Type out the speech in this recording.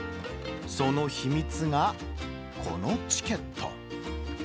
その秘密が、このチケット。